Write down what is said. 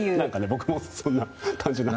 僕もそんな感じに。